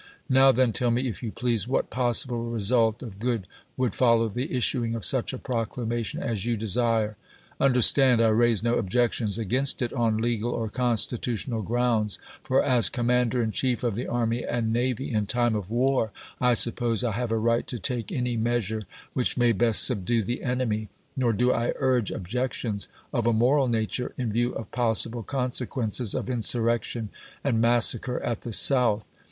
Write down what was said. .. Now, then, tell me, if you please, what possible result of good would follow the issuing of such a proclamation as you desire ? Understand, I raise no objections against it on legal or constitutional grounds, for, as Commander in 156 ABEAHAM LINCOLN Chap. YIU. " CMcago Tribune," Sept. 23, 186 2, and " National Intelli gencer," Sept. 26, 1862. Chief of the Army and Navy, in time of war I suppose I have a right to take any measure which may best subdue the enemy; nor do I urge objections of a moral nature, in view of possible consequences of insurrection and mas sacre at the South.